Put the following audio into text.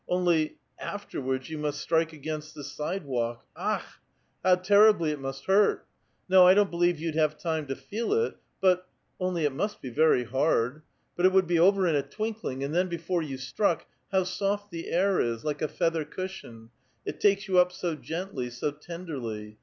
Only — afterwards you strike against the sidewalk — akhl how terribly it must hurt ! No, I don't believe you'd have time to feel it; but — only it must be very hard. But it would be over in a twinkling; and then before you struck — how soft the air is — like a feather cushion — it takes you up so gently, so tenderly.